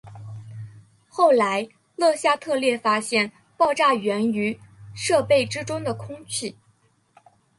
后来勒夏特列发现爆炸缘于设备之中的空气。